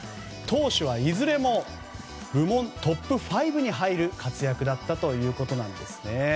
投手はいずれも部門トップ５に入る活躍だったということですね。